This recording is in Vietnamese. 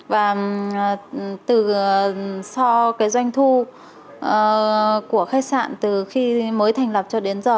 và so với doanh thu của khách sạn từ khi mới thành lập cho đến giờ